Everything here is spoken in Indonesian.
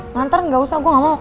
ngantar gak usah gue gak mau